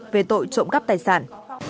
về tội trộm cắp tài sản